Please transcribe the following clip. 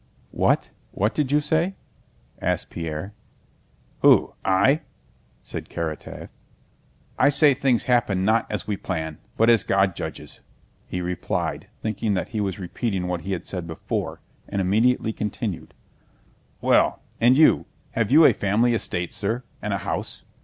"What? What did you say?" asked Pierre. "Who? I?" said Karatáev. "I say things happen not as we plan but as God judges," he replied, thinking that he was repeating what he had said before, and immediately continued: "Well, and you, have you a family estate, sir? And a house?